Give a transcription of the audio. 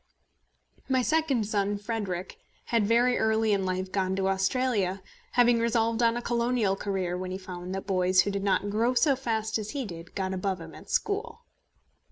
My second son, Frederic, had very early in life gone out to Australia, having resolved on a colonial career when he found that boys who did not grow so fast as he did got above him at school.